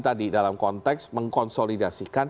tadi dalam konteks mengkonsolidasikan